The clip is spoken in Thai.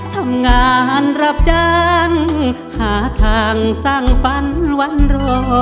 ทำงานรับจ้างหาทางสร้างฝันวันรอ